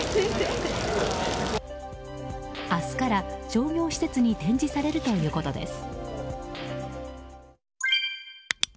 明日から商業施設に展示されるということです。